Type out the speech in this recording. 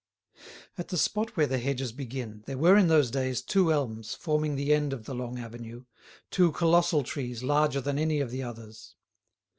At the spot where the hedges begin, there were in those days two elms forming the end of the long avenue, two colossal trees larger than any of the others.